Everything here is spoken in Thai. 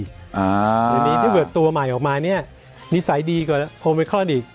อย่างนี้ถ้าเบือบตัวใหม่ออกมานิสัยดีกว่าโอมิครอนอีก